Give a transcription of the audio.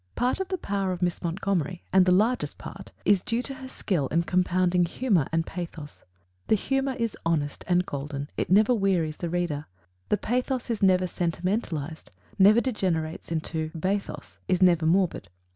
Part of the power of Miss Montgomery and the largest part is due to her skill in compounding humor and pathos. The humor is honest and golden; it never wearies the reader; the pathos is never sentimentalized, never degenerates into bathos, is never morbid.